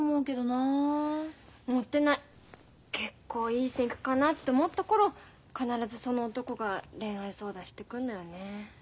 結構いい線いくかなって思った頃必ずその男が恋愛相談してくんのよね。